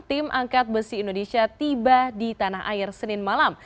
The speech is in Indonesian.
tim angkat besi indonesia tiba di tanah air senin malam